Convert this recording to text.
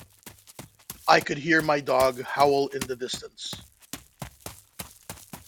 I could hear my dog howl in the distance.